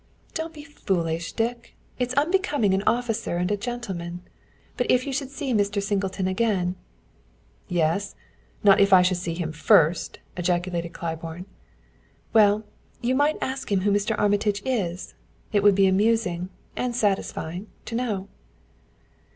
"Don't be foolish, Dick. It's unbecoming an officer and a gentleman. But if you should see Mr. Singleton again " "Yes not if I see him first!" ejaculated Claiborne. "Well, you might ask him who Mr. Armitage is. It would be amusing and satisfying to know."